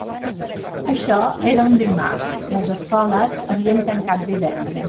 Això era un dimarts; les escoles havien tancat divendres.